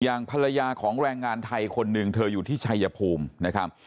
ภรรยาของแรงงานไทยคนหนึ่งเธออยู่ที่ชัยภูมินะครับ